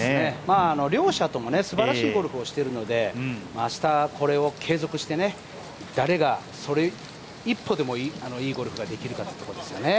両者ともにすばらしいゴルフをしているので明日、これを継続して、誰がそれを一歩でもいいゴルフができるかというところですよね。